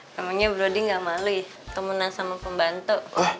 namanya brodi gak malu ya temenan sama pembantu